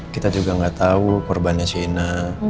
kita juga gak tahu korbannya sina